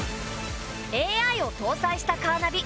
ＡＩを搭載したカーナビ。